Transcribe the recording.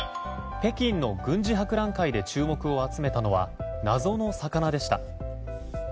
北京の軍事博覧会で注目を集めたのは謎の魚でした。